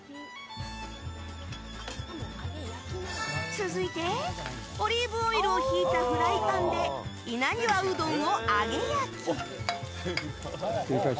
続いてオリーブオイルをひいたフライパンで稲庭うどんを揚げ焼き。